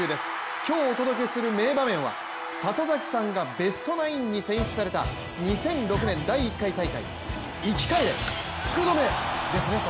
今日お届けする名場面は里崎さんがベストナインに選出された２００６年第１回大会「生き返れ福留」ですね。